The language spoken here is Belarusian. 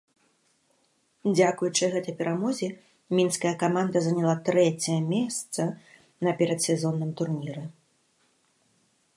Дзякуючы гэтай перамозе мінская каманда заняла трэцяе месца на перадсезонным турніры.